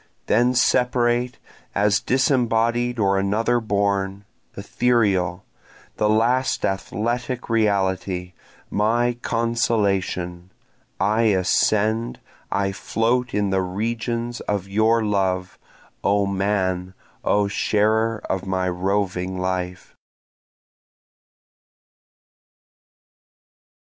Then separate, as disembodied or another born, Ethereal, the last athletic reality, my consolation, I ascend, I float in the regions of your love O man, O sharer of my roving life.